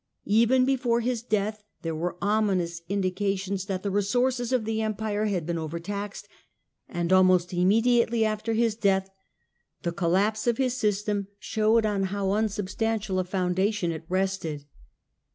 Even before his death there were omin ous indications that the resources of the Empire had been overtaxed, and almost immediately after his death the collapse of his system showed on how unsubstan tial a foundation it rested.